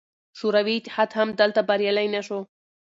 شوروي اتحاد هم دلته بریالی نه شو.